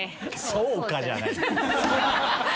「そうか」じゃないのよ。